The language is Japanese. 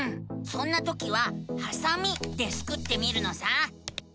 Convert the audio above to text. そんなときは「はさみ」でスクってみるのさ！